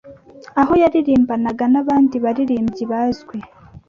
aho yaririmbanaga n’abandi baririmbyi bazwi